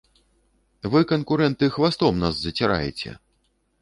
Вы, канкурэнты, хвастом нас заціраеце!